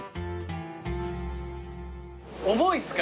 重いっすか？